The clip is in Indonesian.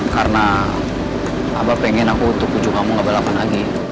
karena abah pengen aku untuk puju kamu ke belakan lagi